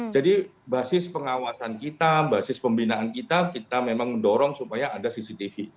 jadi basis pengawasan kita basis pembinaan kita kita memang mendorong supaya ada cctv